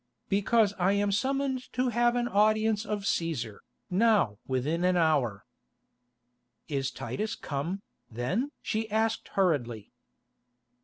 "Because I am summoned to have an audience of Cæsar, now within an hour." "Is Titus come, then?" she asked hurriedly.